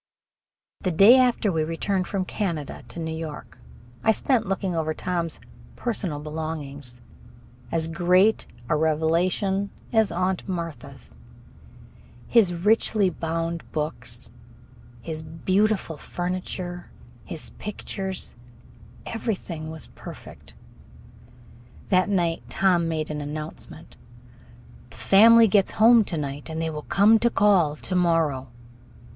The day after we returned from Canada to New York I spent looking over Tom's "personal belongings" as great a revelation as Aunt Martha's. His richly bound books, his beautiful furniture, his pictures everything was perfect. That night Tom made an announcement: "The family gets home to night, and they will come to call to morrow."